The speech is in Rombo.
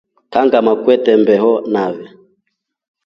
Kangama kwete mbeho nai.